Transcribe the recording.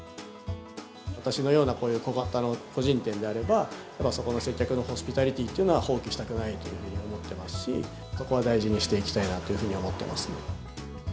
私のような、こういう小型の個人店であれば、そこの接客のホスピタリティーというのは放棄したくないというふうに思っていますし、そこは大事にしていきたいなというふうに思っていますね。